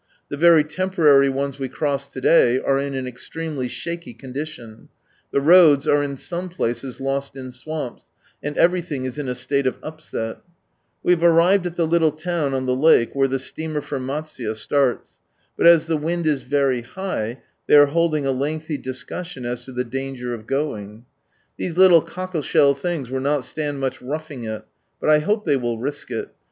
The very temporary ones we crossed lo day are in an extremely shaky condition ; the roads are in some places lost in swamps, and everything is in a state of ui>seL We have arrived at the liiile town on the lake where the steamer for Matsuye starts ; but as the wind is very high, they are holding a lengthy discussion as to the danger of going. These little cockleshell things would not stand much roughing it ; but 1 hope they will risk it.